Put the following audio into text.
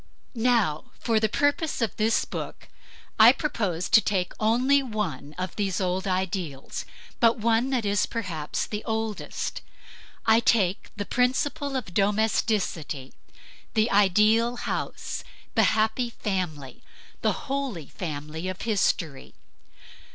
Now, for the purpose of this book, I propose to take only one of these old ideals; but one that is perhaps the oldest. I take the principle of domesticity: the ideal house; the happy family, the holy family of history.